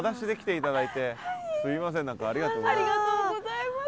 すいません何かありがとうございます。